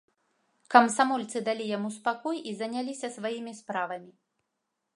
Камсамольцы далі яму спакой і заняліся сваімі справамі.